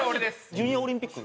ジュニアオリンピック？